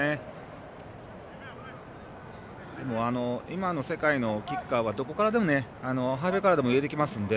今の世界のキッカーはどこからでも入れてきますので。